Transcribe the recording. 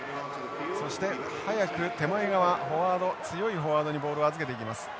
そして早く手前側フォワード強いフォワードにボールを預けていきます。